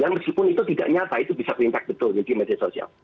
meskipun itu tidak nyata itu bisa fintech betul jadi media sosial